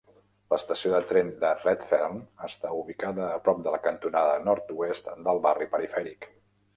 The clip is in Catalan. L'estació de tren de Redfern està ubicada a prop de la cantonada nord-oest del barri perifèric.